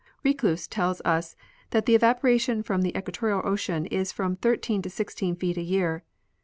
Reclus tells us that the evaporation from the equatorial ocean is from 13 to 16 feet a year.